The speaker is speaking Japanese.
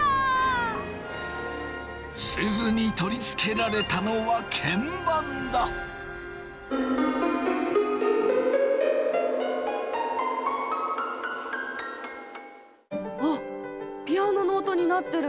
すずに取り付けられたのはあっピアノの音になってる。